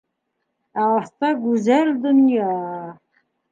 — Ә аҫта гүзәл донъя.